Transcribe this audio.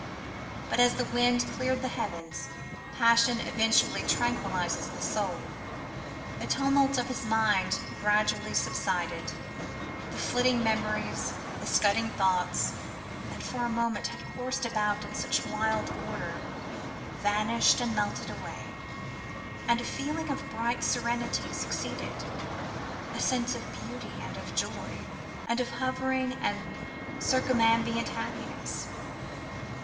But, as the wind clears the heaven, passion eventually tranquillises the soul. The tumult of his mind gradually subsided; the flitting memories, the scudding thoughts, that for a moment had coursed about in such wild order, vanished and melted away, and a feeling of bright serenity succeeded, a sense of beauty and of joy, and of hovering and circumambient happiness.